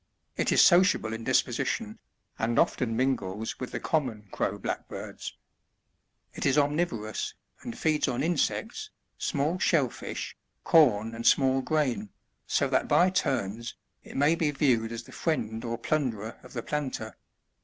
' It is sociable in disposition, and often mingles with the common Crow blackbirds. It is omnivorous, and feeds on insects, small shell fish, corn and small grain, so that by turns, it may be viewed as the friend or plunderer of the planter.